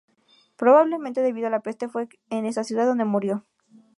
Probablemente debido a la peste fue en esta ciudad donde murió.